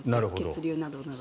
血流など。